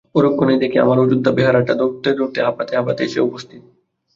পরক্ষণেই দেখি, আমার অযোধ্যা বেহারাটা দৌড়তে দৌড়তে হাঁপাতে হাঁপাতে এসে উপস্থিত।